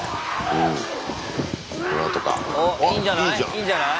いいんじゃない？